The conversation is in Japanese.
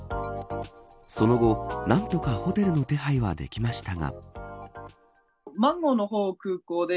その後、何とかホテルの手配はできましたが。